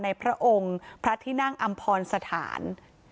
พระองค์พระที่นั่งอำพรสถาน